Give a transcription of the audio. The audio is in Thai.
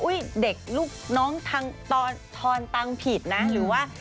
อุ๊ยเด็กลูกน้องทางทอนตังผิดนะอืมหรือว่า